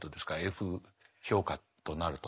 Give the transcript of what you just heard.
Ｆ評価となると。